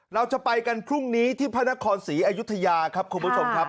เราจะไปกันพรุ่งนี้ที่พระนครศรีอยุธยาครับคุณผู้ชมครับ